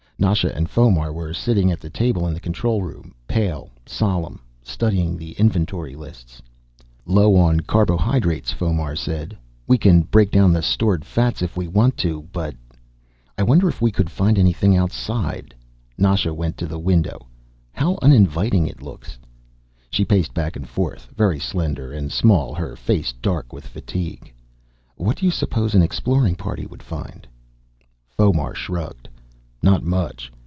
Nasha and Fomar were sitting at the table in the control room, pale and solemn, studying the inventory lists. "Low on carbohydrates," Fomar said. "We can break down the stored fats if we want to, but " "I wonder if we could find anything outside." Nasha went to the window. "How uninviting it looks." She paced back and forth, very slender and small, her face dark with fatigue. "What do you suppose an exploring party would find?" Fomar shrugged. "Not much.